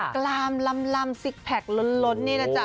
กลามลำซิกแพคล้นนี่นะจ๊